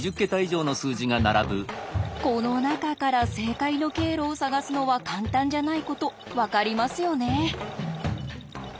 この中から正解の経路を探すのは簡単じゃないこと分かりますよね。